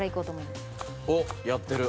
おっやってる。